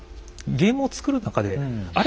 ゲームを作る中であれ